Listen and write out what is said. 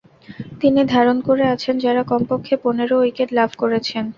তিনি ধারণ করে আছেন যারা কমপক্ষে পনের উইকেট লাভ করেছেন।